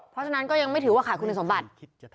เพราะฉะนั้นก็ยังไม่ถือว่าขาดคุณสมบัติ